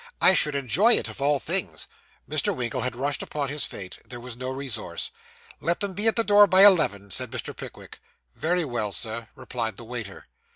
I should enjoy it of all things.' Mr. Winkle had rushed upon his fate; there was no resource. 'Let them be at the door by eleven,' said Mr. Pickwick. 'Very well, sir,' replied the waiter.